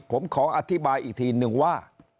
ผมขออธิบายอีกทีนึงว่า